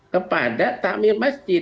kepada tamir masjid